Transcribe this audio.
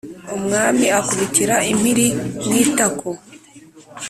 umwami akubitira impiri mu itako,